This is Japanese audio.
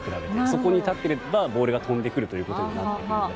そこに立っていればボールが飛んでくることになるので。